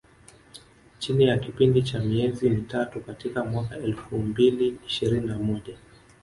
Chini ya kipindi cha miezi mitatu katika mwaka wa elfu mbili ishirini na moja